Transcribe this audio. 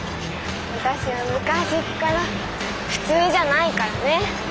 私は昔から普通じゃないからね。